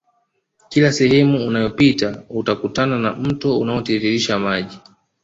Kila sehemu unayopita utakutana na mto unaotiririsha maji